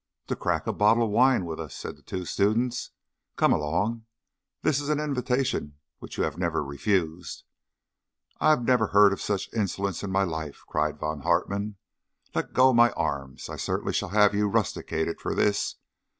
"To crack a bottle of wine with us," said the two students. "Come along! That is an invitation which you have never refused." "I never heard of such insolence in my life!" cried Von Hartmann. "Let go my arms! I shall certainly have you rusticated for this.